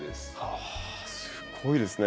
あすごいですね。